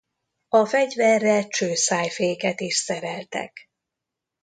A fegyverre csőszájféket is szereltek.